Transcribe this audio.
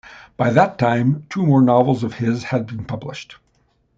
By that time, two more novels of his had been published.